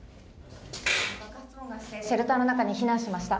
爆発音がして、シェルターの中に避難しました。